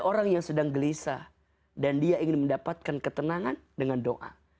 orang yang sedang gelisah dan dia ingin mendapatkan ketenangan dengan doa